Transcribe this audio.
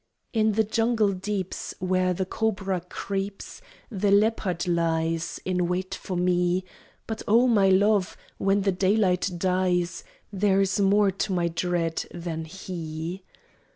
In the jungle deeps, Where the cobra creeps, The leopard lies In wait for me. But O, my love, When the daylight dies There is more to my dread than he!